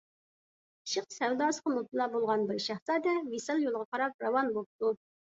ئىشق سەۋداسىغا مۇپتىلا بولغان بىر شاھزادە ۋىسال يولىغا قاراپ راۋان بوپتۇ.